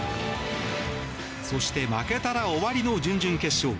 そして、負けたら終わりの準々決勝。